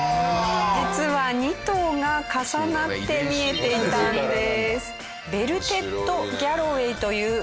実は２頭が重なって見えていたんです。